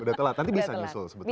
udah telat nanti bisa nyusul sebetulnya